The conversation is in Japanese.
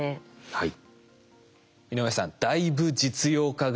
はい。